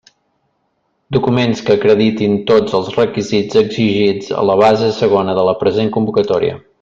Documents que acreditin tots els requisits exigits a la base segona de la present convocatòria.